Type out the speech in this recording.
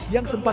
yang sejauh ini